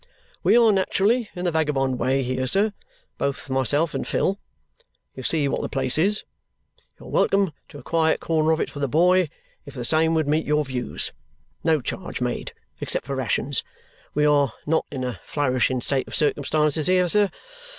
We are naturally in the vagabond way here, sir, both myself and Phil. You see what the place is. You are welcome to a quiet corner of it for the boy if the same would meet your views. No charge made, except for rations. We are not in a flourishing state of circumstances here, sir.